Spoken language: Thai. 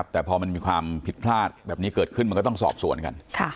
แต่พอมันมีความผิดพลาดแบบนี้เกิดขึ้นมันก็ต้องสอบส่วนกัน